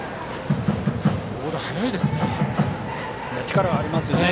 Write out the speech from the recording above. ボール速いですね。